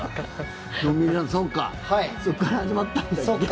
そこから始まったんだっけ？